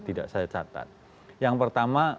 tidak saya catat yang pertama